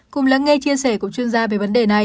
cùng lắng nghe chia sẻ của chuyên gia về vấn đề này